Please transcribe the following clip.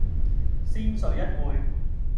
先睡一會